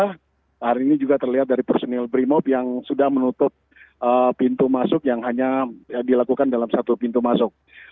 hari ini juga terlihat dari personil brimob yang sudah menutup pintu masuk yang hanya dilakukan dalam satu pintu masuk